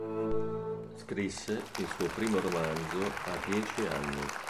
Scrisse il suo primo romanzo a dieci anni.